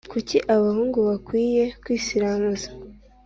Kuki abahungu bakwiye kwisiramuza?